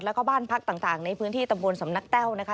แล้วก็บ้านพักต่างในพื้นที่ตำบลสำนักแต้วนะคะ